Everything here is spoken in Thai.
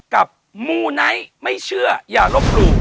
กับมูไนท์ไม่เชื่อย่ารบรู